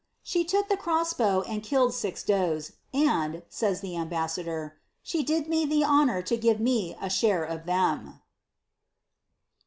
^^ She took the cross bow and killed six does ; and,'' says the ambassador, ^ she did me the honour to give me a share of them."